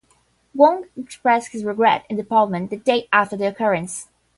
Wong expressed his regret in Parliament the day after the occurrence.